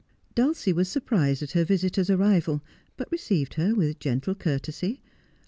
Dulcie was surprised at her visitor's arrival, but received her with gentle courtesy.